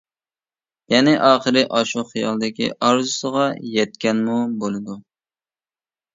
يەنى ئاخىرى ئاشۇ خىيالىدىكى ئارزۇسىغا يەتكەنمۇ بولىدۇ.